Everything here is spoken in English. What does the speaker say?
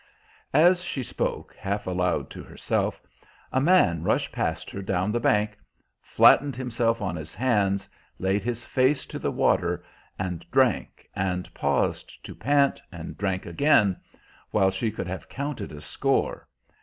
As she spoke, half aloud to herself, a man rushed past her down the bank, flattened himself on his hands, laid his face to the water, and drank and paused to pant, and drank again, while she could have counted a score.